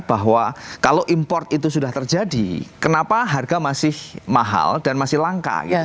bahwa kalau import itu sudah terjadi kenapa harga masih mahal dan masih langka